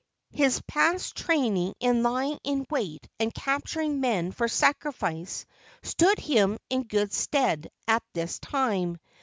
His past training in lying in wait and capturing men for sacrifice stood him in good stead at this time.